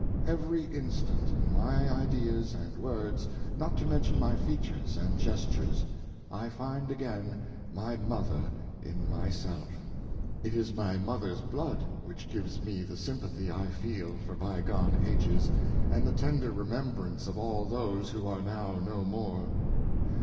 Every instant, in my ideas and words (not to mention my features and gestures), I find again my mother in myself It is my mother's blood which gives me the sympathy I feel for by gone ages, and the tender remembrance of all those who are now no more.